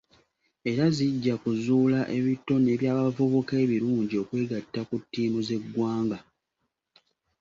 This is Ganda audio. era zijja kuzuula ebitone by'abavubuka ebirungi okwegatta ku ttiimu z'eggwanga.